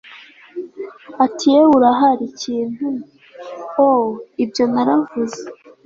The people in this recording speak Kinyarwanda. Ati yewe urahari Ikintu o ibyo naravuze